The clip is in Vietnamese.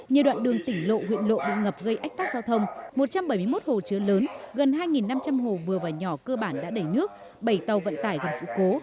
nhiều đoạn đường tỉnh lộ huyện lộ bị ngập gây ách tác giao thông một trăm bảy mươi một hồ chứa lớn gần hai năm trăm linh hồ vừa và nhỏ cơ bản đã đẩy nước bảy tàu vận tải gặp sự cố